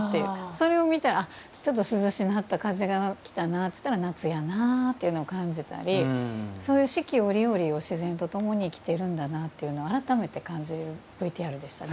それを見たら、ちょっと涼しなったら風が来たなといったら夏やなぁというのを感じたりそういう四季折々を生きてるんだなというのを改めて感じるＶＴＲでしたね。